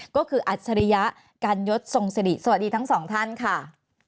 ก็คืออัจฉริยะกันยศทรงสิริสวัสดีทั้งสองท่านค่ะ